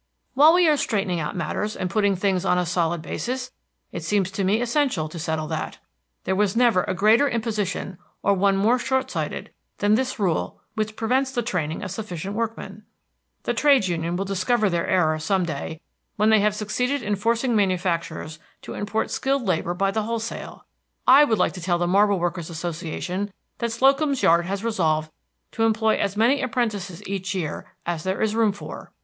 "While we are straightening out matters and putting things on a solid basis, it seems to me essential to settle that. There was never a greater imposition, or one more short sighted, than this rule which prevents the training of sufficient workmen. The trades union will discover their error some day when they have succeeded in forcing manufacturers to import skilled labor by the wholesale. I would like to tell the Marble Workers' Association that Slocum's Yard has resolved to employ as many apprentices each year as there is room for."